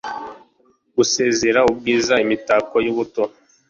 gusezera ubwiza, imitako yubuto